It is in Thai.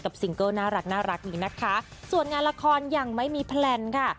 ซิงเกิลน่ารักนี้นะคะส่วนงานละครยังไม่มีแพลนค่ะ